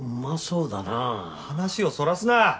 話をそらすな！